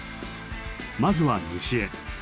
まずは西へ。